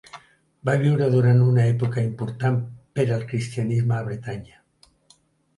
Va viure durant una època important per al cristianisme a Bretanya.